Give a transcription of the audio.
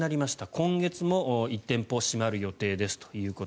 今月も１店舗閉まる予定ですと。